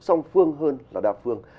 xong phương hơn là đạp phương